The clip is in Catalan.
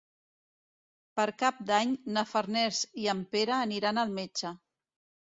Per Cap d'Any na Farners i en Pere aniran al metge.